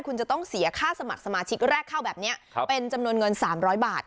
คุณจะต้องเสียค่าสมัครสมาชิกแรกเข้าแบบนี้เป็นจำนวนเงิน๓๐๐บาท